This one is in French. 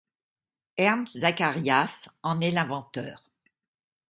Ernst Zacharias en est l'inventeur.